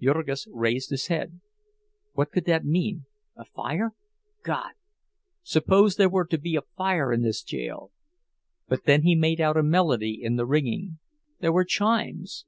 Jurgis raised his head; what could that mean—a fire? God! Suppose there were to be a fire in this jail! But then he made out a melody in the ringing; there were chimes.